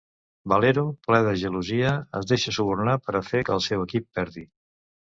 Valero, ple de gelosia, es deixa subornar per a fer que el seu equip perdi.